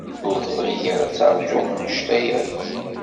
Ur tebɣi ad teṛju anect-a akk.